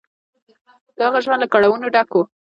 د هغه ژوند له کړاوونو ډک و.